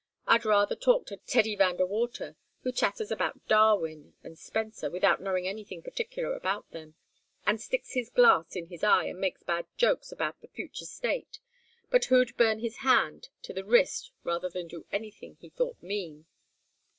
I'd rather talk to Teddy Van De Water, who chatters about Darwin and Spencer without knowing anything particular about them, and sticks his glass in his eye and makes bad jokes about the future state, but who'd burn his hand to the wrist rather than do anything he thought mean.